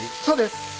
そうです。